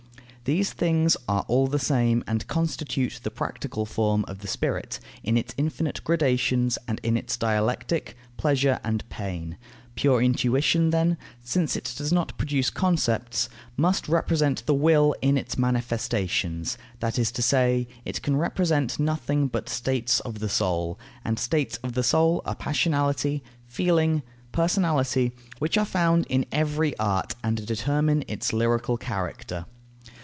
These things are all the same and constitute the practical form of the spirit, in its infinite gradations and in its dialectic (pleasure and pain). Pure intuition, then, since it does not produce concepts, must represent the will in its manifestations, that is to say, it can represent nothing but states of the soul. And states of the soul are passionality, feeling, personality, which are found in every art and determine its lyrical character.